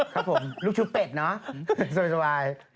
ครับผมลูกชุบเป็ดเนอะสบาย